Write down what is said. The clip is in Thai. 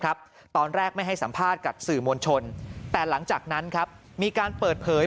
ตอนแรกไม่ให้สัมภาษณ์กับสื่อมวลชนแต่หลังจากนั้นครับมีการเปิดเผย